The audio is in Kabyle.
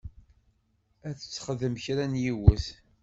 Ad t-texdem kra n yiwet.